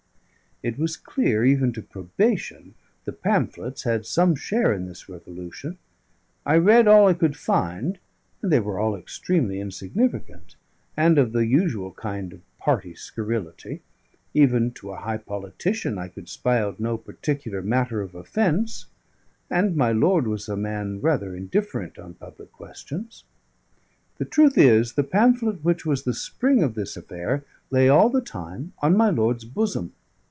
It was clear, even to probation, the pamphlets had some share in this revolution; I read all I could find, and they were all extremely insignificant, and of the usual kind of party scurrility; even to a high politician, I could spy out no particular matter of offence, and my lord was a man rather indifferent on public questions. The truth is, the pamphlet which was the spring of this affair lay all the time on my lord's bosom.